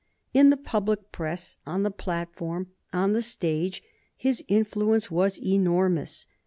In the public press, on the platform, on the stage, his influence was enormous.